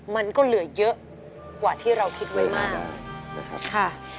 มันก็เหลือเยอะกว่าที่เราคิดไว้มาก